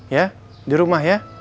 ya di rumah ya